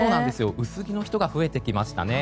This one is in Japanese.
薄着の人が増えてきましたね。